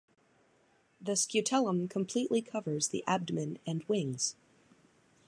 The scutellum completely covers the abdomen and wings.